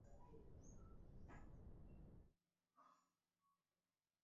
তাহলে বাসে একবার গিয়ে বসে ভাবি যে, এটা আজকে আমাদের সাথে হবে না।